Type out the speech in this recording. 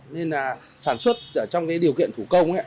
nên là sản xuất trong cái điều kiện thủ công ấy